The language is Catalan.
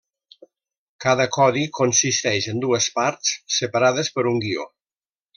Cada codi consisteix en dues parts, separades per un guió.